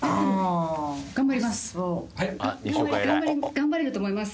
頑張れると思います。